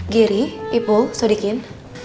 gary ipul sudikin